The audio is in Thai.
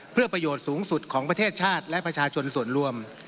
เพื่อประโยชน์สูงสุดของประเทศชาติและประชาชนส่วนรวม